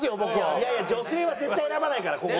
いやいや女性は絶対選ばないからここ。